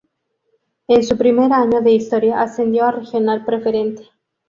En su primer año de historia ascendió a Regional Preferente.